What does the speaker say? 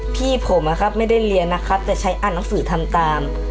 พี่ผมไม่ได้เรียนนะครับแต่ใช้อ่านหนังสือทำตาม